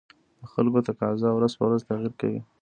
د خلکو تقاتضا ورځ په ورځ تغير کوي